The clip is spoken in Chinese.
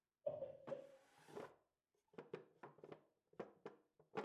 金毛新木姜子为樟科新木姜子属下的一个种。